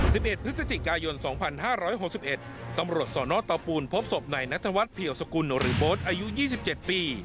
สิบเอ็ดพฤศจิกายนสองพันห้าร้อยหกสิบเอ็ดตำรวจสอนอเตาปูนพบศพนายนัทวัฒน์เพี่ยวสกุลหรือโบ๊ทอายุยี่สิบเจ็ดปี